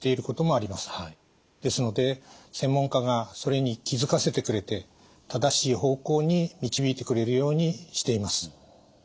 ですので専門家がそれに気付かせてくれて正しい方向に導いてくれるようにしています。